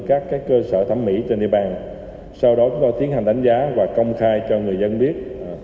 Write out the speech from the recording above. các cơ sở thẩm mỹ trên địa bàn sau đó chúng tôi tiến hành đánh giá và công khai cho người dân biết